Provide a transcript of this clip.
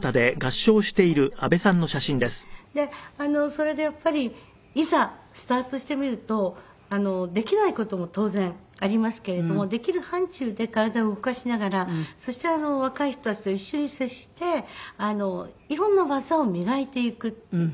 でそれでやっぱりいざスタートしてみるとできない事も当然ありますけれどもできる範疇で体を動かしながらそして若い人たちと一緒に接して色んな技を磨いていくっていう。